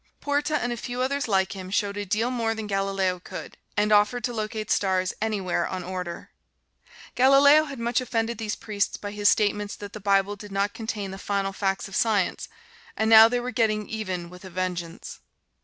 Porta, and a few others like him, showed a deal more than Galileo could and offered to locate stars anywhere on order. Galileo had much offended these priests by his statements that the Bible did not contain the final facts of Science, and now they were getting even with a vengeance.